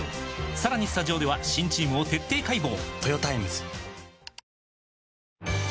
さらにスタジオでは新チームを徹底解剖！